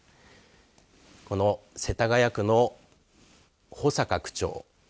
この世田谷区の保坂区長。